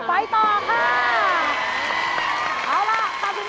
ไปไหนครับ